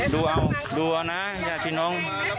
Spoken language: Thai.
ดูเอาดูเอานะอยากที่น้อง